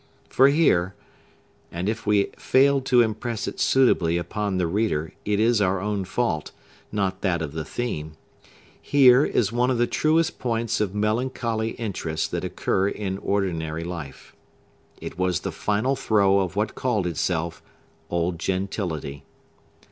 For here,—and if we fail to impress it suitably upon the reader, it is our own fault, not that of the theme, here is one of the truest points of melancholy interest that occur in ordinary life. It was the final throe of what called itself old gentility.